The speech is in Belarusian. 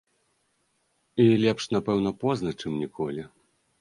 І лепш, напэўна, позна, чым ніколі.